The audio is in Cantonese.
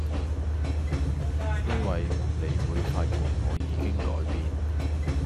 因為你會發現我已經改變